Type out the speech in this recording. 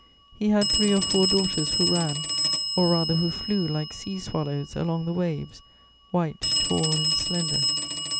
He had three or four daughters who ran, or rather who flew like sea swallows, along the waves, white, tall, and slender.